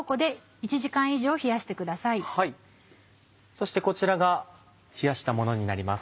そしてこちらが冷やしたものになります。